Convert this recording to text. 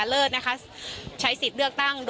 คุณค่ะคุณค่ะ